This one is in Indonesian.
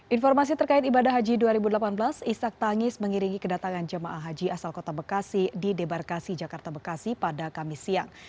informasi terkait ibadah haji dua ribu delapan belas ishak tangis mengiringi kedatangan jemaah haji asal kota bekasi di debarkasi jakarta bekasi pada kamis siang